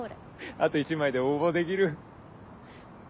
あと１枚で応募できる。